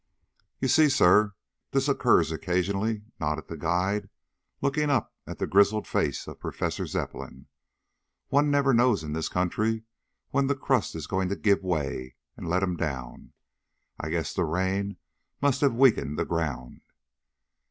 "You see, sir, this occurs occasionally," nodded the guide, looking up at the grizzled face of Professor Zepplin. "One never knows in this country when the crust is going to give way and let him down. I guess the rain must have weakened the ground."